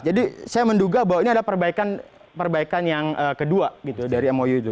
dua ribu dua belas jadi saya menduga bahwa ini ada perbaikan perbaikan yang kedua gitu dari mou itu